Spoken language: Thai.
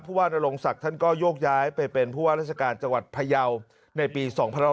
ว่านรงศักดิ์ท่านก็โยกย้ายไปเป็นผู้ว่าราชการจังหวัดพยาวในปี๒๕๖๒